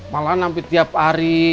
malah nampit tiap hari